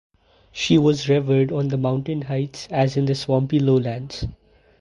She was revered on the mountain heights as in the swampy lowlands.